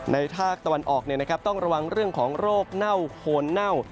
ภาคตะวันออกต้องระวังเรื่องของโรคเน่าโคนเน่า